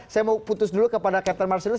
saya mau putus dulu kepada captain marcelius